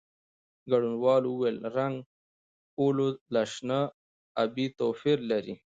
ګډونوالو وویل، رنګ "اولو" له شنه او ابي توپیر لري.